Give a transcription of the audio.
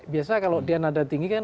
biasa kalau dia nada tinggi kan